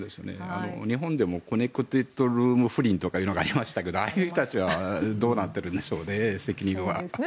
日本でもコネクテッドルーム不倫というのがありましたけどああいう人たちはどうなってるんでしょうね。